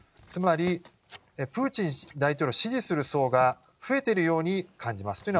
つまり、プーチン大統領を支持する層が増えてるように感じます。